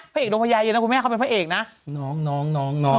เอกดวงพญาเย็นนะคุณแม่เขาเป็นพระเอกนะน้องน้องน้องน้อง